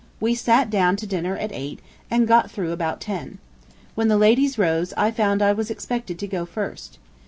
We sat down to dinner at eight and got through about ten. When the ladies rose, I found I was expected to go first.